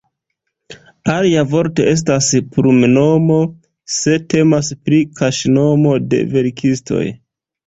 Alia vorto estas "plumnomo", se temas pri kaŝnomo de verkistoj.